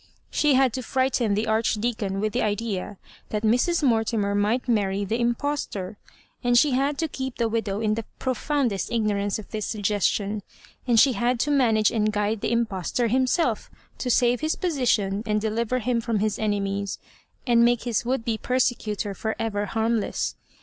She had to frighten the Archdeacon with the idea that Mrs. Mortimer might marry the impostor, and she had to keep the widow in the profoundest ignorance of this suggestion, and she had to manage and guide the impostor himself, to save his position, and deliver him from bis enemies, and make his would be persecutor for ever harmless.